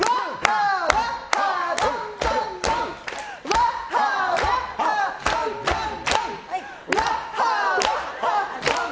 ワッハー、ワッハードンドンドン！